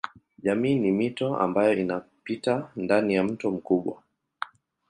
Jamii ni mito ambayo inapita ndani ya mto mkubwa.